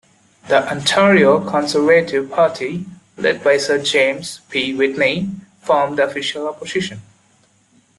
The Ontario Conservative Party, led by Sir James P. Whitney, formed the official opposition.